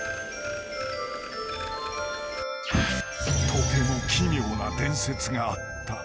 ［とても奇妙な伝説があった。